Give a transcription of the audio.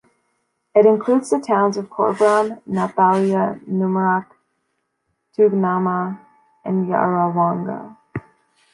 It includes the towns of Cobram, Nathalia, Numurkah, Tungamah and Yarrawonga.